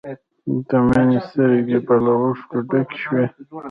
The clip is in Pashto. د مینې سترګې به له اوښکو ډکې شوې